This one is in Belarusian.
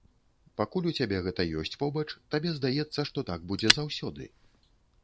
Пакуль у цябе гэта ёсць побач, табе здаецца, што так будзе заўсёды.